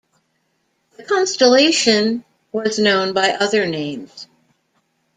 The constellation was known by other names.